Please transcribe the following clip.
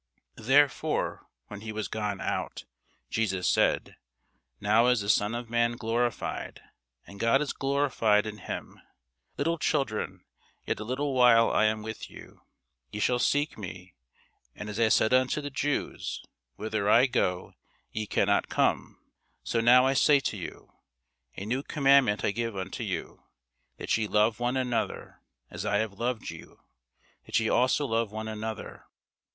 Therefore, when he was gone out, Jesus said, Now is the Son of man glorified, and God is glorified in him. Little children, yet a little while I am with you. Ye shall seek me: and as I said unto the Jews, Whither I go, ye cannot come; so now I say to you. A new commandment I give unto you, That ye love one another; as I have loved you, that ye also love one another.